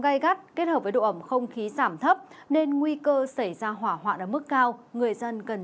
gai gắt kết hợp với độ ẩm không khí giảm thấp nên nguy cơ xảy ra hỏa hoạn ở mức cao người dân cần